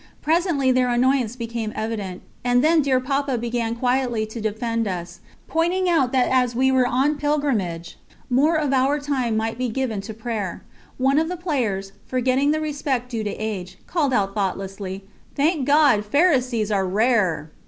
Presently their annoyance became evident, and then dear Papa began quietly to defend us, pointing out that as we were on pilgrimage, more of our time might be given to prayer. One of the players, forgetting the respect due to age, called out thoughtlessly: "Thank God, Pharisees are rare!"